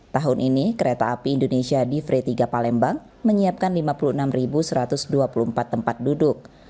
tahun ini kereta api indonesia di free tiga palembang menyiapkan lima puluh enam satu ratus dua puluh empat tempat duduk